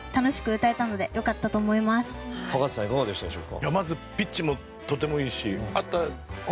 葉加瀬さんいかがでしたでしょうか？